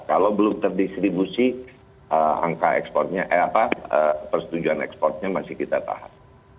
kalau belum terdistribusi persetujuan ekspornya masih kita tahan